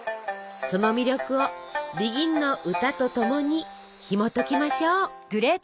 その魅力を「ＢＥＧＩＮ」の歌と共にひもときましょう。